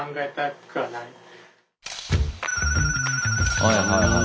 はいはいはい。